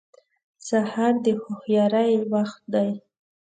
سهار د هوښیارۍ وخت دی.